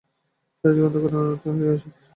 চারিদিক অন্ধকার হইয়া আসিতেছে।